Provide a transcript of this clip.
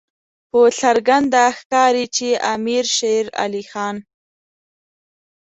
په څرګنده ښکاري چې امیر شېر علي خان.